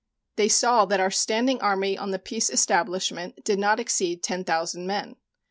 They saw that our standing Army on the peace establishment did not exceed 10,000 men.